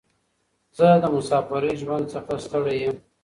زه د مساپرۍ ژوند څخه ستړی یم.